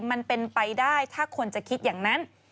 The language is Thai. มันเป็นไปได้ถ้าคนจะคิดอย่างนั้น